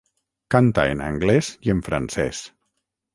Canta en anglès i en francès.